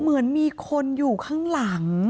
เหมือนมีคนอยู่ข้างหลัง